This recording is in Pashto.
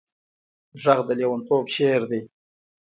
غږ د لېونتوب شعر دی